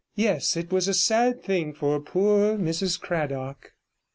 Yes, it was a sad thing for poor Mrs Cradock.'